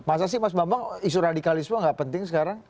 masa sih mas bambang isu radikalisme nggak penting sekarang